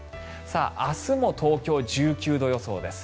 明日も東京１９度予想です。